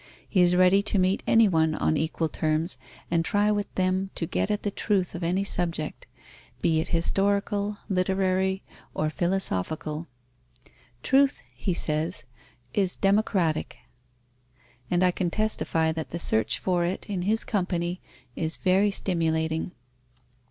He is ready to meet any one on equal terms and try with them to get at the truth on any subject, be it historical, literary, or philosophical. "Truth," he says, "is democratic," and I can testify that the search for it, in his company, is very stimulating.